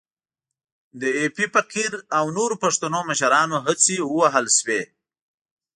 د ایپي فقیر او نورو پښتنو مشرانو هڅې ووهل شوې.